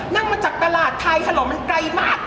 นั่งมาจากตลาดไทยถนนมันไกลมาก